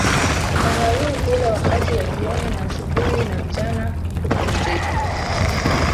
Kangaroo hula wakati wa jioni na asubuhi na mchana hupumzika